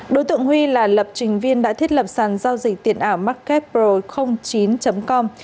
đối tượng huy là lập trình viên đã thiết lập sản giao dịch tiền ảo marketpro chín com